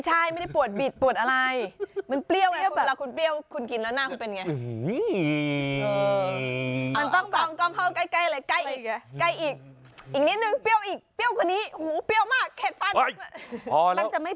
อะไรอ่ะ